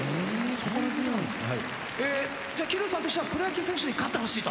心強いですね・じゃあ桐生さんとしてはプロ野球選手に勝ってほしいと？